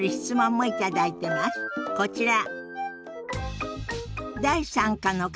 こちら。